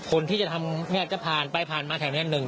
คนที่จะทำเนี่ยจะผ่านมาแถมแห้งหนึ่ง